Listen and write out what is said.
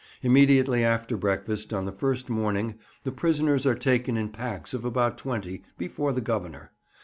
Immediately after breakfast on the first morning the prisoners are taken in packs of about twenty before the Governor.